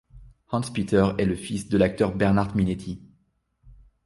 Hans-Peter est le fils de l'acteur Bernhard Minetti.